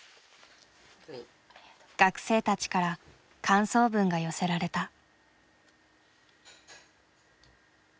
学生たちから感想文が寄せられた。